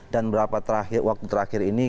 dan berapa waktu terakhir ini